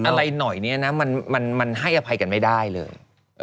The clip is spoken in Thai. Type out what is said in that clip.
อะไรหน่อยเนี่ยนะมันให้อภัยกันไม่ได้เลย